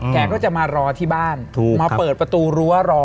แกก็จะมารอที่บ้านมาเปิดประตูรั้วรอ